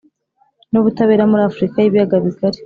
n'ubutabera muri afurika y'ibiyaga bigari.